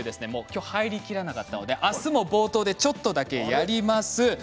今日入りきらなかったので明日も冒頭でちょっとだけやります。